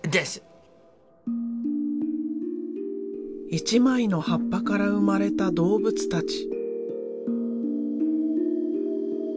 一枚の葉っぱから生まれた動物たち。